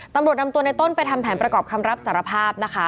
ตำรวจนำตัวในต้นไปทำแผนประกอบคำรับสารภาพนะคะ